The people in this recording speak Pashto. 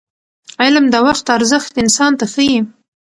علم د وخت ارزښت انسان ته ښيي.